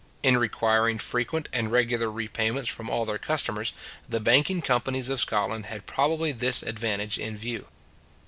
In requiring frequent and regular repayments from all their customers, the banking companies of Scotland had probably this advantage in view.